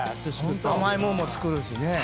甘いもんも作るしね。